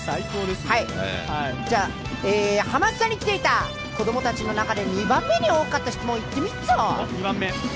じゃ、ハマスタに来ていた子供たちの中で２番目に多かった質問いってみっぞ。